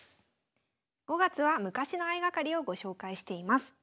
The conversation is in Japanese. ５月は昔の相掛かりをご紹介しています。